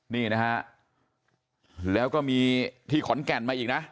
นี่นะฮะแล้วก็มีที่ขอนแก่นมาอีกนะ